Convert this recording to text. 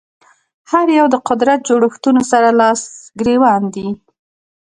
هر یو د قدرت جوړښتونو سره لاس ګرېوان دي